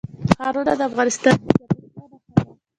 ښارونه د افغانستان د زرغونتیا نښه ده.